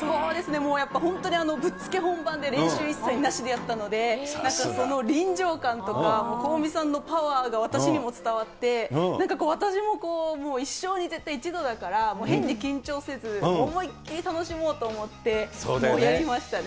もうやっぱりぶっつけ本番で練習一切なしでやったので、その臨場感とか、香美さんのパワーが私にも伝わって、なんか私も一生に絶対一度だから、変に緊張せず、思い切り楽しもうと思ってやりましたね。